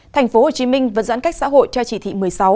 thành phố hồ chí minh vẫn giãn cách xã hội cho chỉ thị một mươi sáu